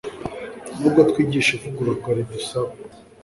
Nubwo twigisha ivugurura ridusaba